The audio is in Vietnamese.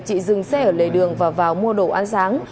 chị dừng xe ở lề đường và vào mua đồ ăn sáng